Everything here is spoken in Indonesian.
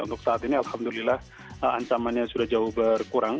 untuk saat ini alhamdulillah ancamannya sudah jauh berkurang